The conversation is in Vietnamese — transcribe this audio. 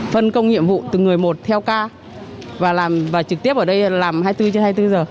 phân công nhiệm vụ từ người một theo ca và trực tiếp ở đây làm hai mươi bốn h trên hai mươi bốn h